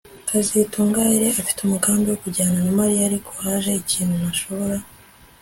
kazitunga yari afite umugambi wo kujyana na Mariya ariko haje ikintu ntashobora